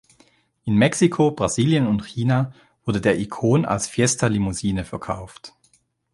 In Mexiko, Brasilien und China wurde der Ikon als "Fiesta Limousine" verkauft.